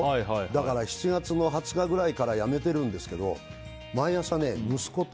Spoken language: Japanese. だから７月の２０日ぐらいからやめてるんですけど毎朝息子と。